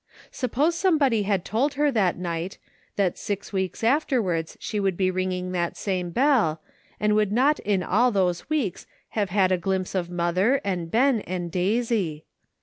Suppose somebody had told her that night, that six weeks afterwards she would be ringing that same bell, and would not in all those weeks have had a glimpse of mother, and Ben and Daisy